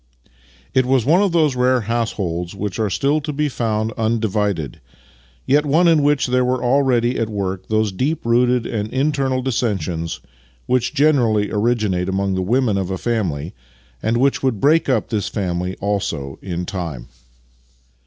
It was one of those rare households which are still to be found undivided, yet one in which there were already at work those deep rooted internal dissensions which generally originate among the women of a family, and which would break up this family also in time.